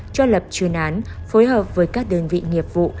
cho lập chuyên án phối hợp với các đơn vị nghiệp vụ